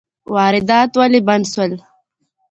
واردات ولي بند سول؟